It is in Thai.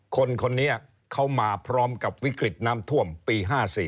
คนคนนี้เขามาพร้อมกับวิกฤตน้ำท่วมปี๕๔